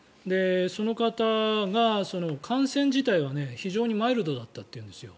その方が感染自体は非常にマイルドだったっていうんですよ。